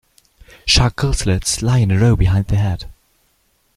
Shark gill slits lie in a row behind the head.